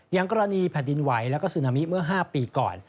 อย่างกรณีแผ่นดินไหวแล้วก็ซึนามิเมื่อ๕ปีก่อน